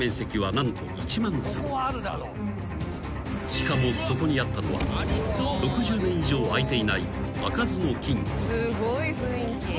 ［しかもそこにあったのは６０年以上開いていない］